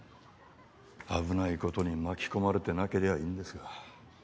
危ないことに巻き込まれてなけりゃいいんですが。